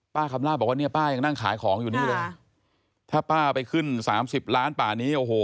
คำล่าบอกว่าเนี่ยป้ายังนั่งขายของอยู่นี่เลยถ้าป้าไปขึ้นสามสิบล้านป่านี้โอ้โห